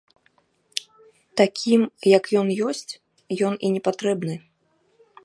Такім, як ён ёсць, ён і не патрэбны.